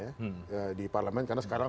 ya di parlemen karena sekarang